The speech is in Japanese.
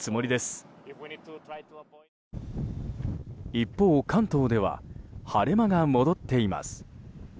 一方、関東では晴れ間が戻っています。